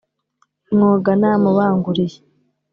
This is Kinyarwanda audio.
mwoga namubanguriye